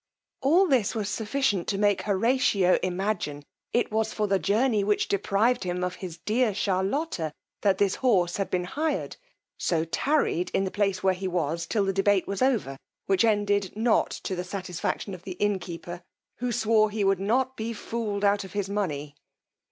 All this was sufficient to make Horatio imagine it was for the journey which deprived him of his dear Charlotta, that this horse had been hired, so tarried in the place where he was till the debate was over, which ended not to the satisfaction of the innkeeper, who swore he would not be fooled out of his money.